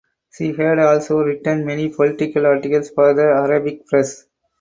She had also written many political articles for the Arabic press.